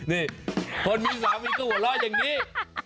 นี่คนมีสามีก็หัวเราะอย่างนี้